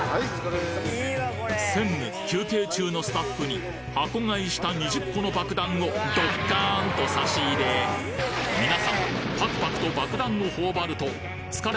専務休憩中のスタッフに箱買いした２０個のばくだんをドッカーンと差し入れ皆さんパクパクとばくだんを頬張るとおいしい！